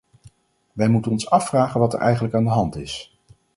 Wij moeten ons afvragen wat er eigenlijk aan de hand is.